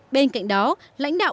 bên cạnh đó lãnh đạo